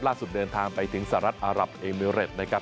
ล่าสุดเดินทางไปถึงสหรัฐอารับเอเมริกซ์นะครับ